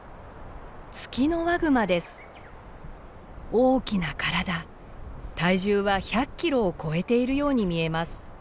大きな体体重は１００キロを超えているように見えます。